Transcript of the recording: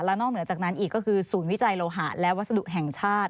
นอกเหนือจากนั้นอีกก็คือศูนย์วิจัยโลหะและวัสดุแห่งชาติ